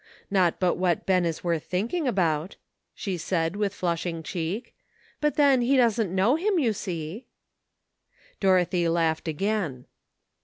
Not but what Ben is worth thinking about," she said, with flushing cheek; "but then he doesn't know him, you see." Dorothy laughed again.